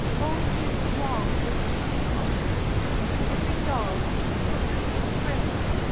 Volunteers thronged the recruiting offices. Every dog in the country was thrilled.